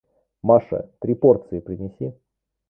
Маша, три порции принеси.